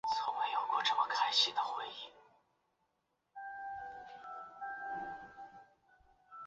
睫毛粗叶木为茜草科粗叶木属下的一个变种。